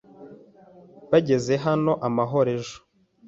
Bageze hano amahoro ejo.